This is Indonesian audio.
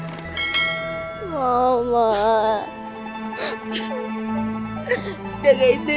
mama mama papa pintu rude